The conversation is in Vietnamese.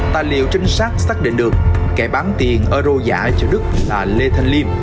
tài liệu trinh sát xác định được kẻ bán tiền euro giả cho đức là lê thanh liêm